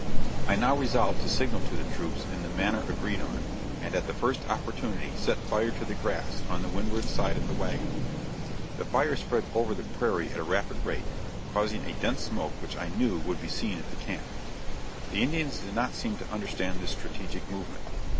I now resolved to signal to the troops in the manner agreed on, and at the first opportunity set fire to the grass on the windward side of the wagon. The fire spread over the prairie at a rapid rate, causing a dense smoke which I knew would be seen at the camp. The Indians did not seem to understand this strategic movement.